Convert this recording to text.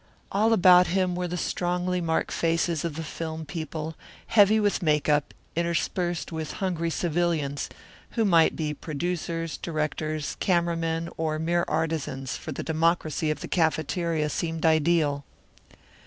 All about him were the strongly marked faces of the film people, heavy with makeup, interspersed with hungry civilians, who might be producers, directors, camera men, or mere artisans, for the democracy of the cafeteria seemed ideal.